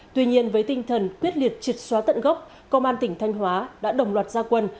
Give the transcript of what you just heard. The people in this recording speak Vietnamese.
tuy nhiên với tinh thần quyết liệt triệt xóa tận gốc công an tỉnh thanh hóa đã đồng loạt gia quân